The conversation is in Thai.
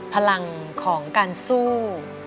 พลังของการสู้